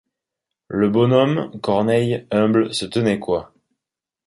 Le bonhomme Corneille, humble, se tenait coi.